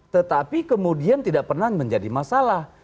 tetapi kemudian tidak pernah menjadi masalah